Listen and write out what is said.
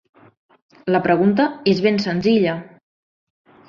La pregunta és ben senzilla.